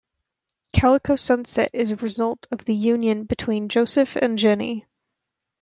Calico Sunset is a result of the union between Joseph and Jenny.